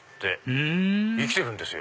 ふん生きてるんですよ。